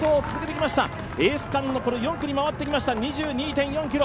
エース区間の４区に回ってきました２２．４ｋｍ。